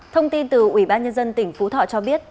thông tin từ ubnd tỉnh phú thọ cho biết